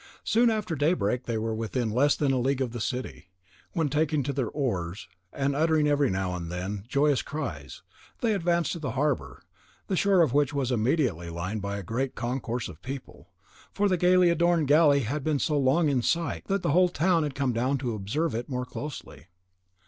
Soon after daybreak they were within less than a league of the city, when taking to their oars, and uttering every now and then joyous cries, they advanced to the harbour, the shore of which was immediately lined by a great concourse of people; for the gaily adorned galley had been so long in sight, that the whole town had come down to observe it more closely.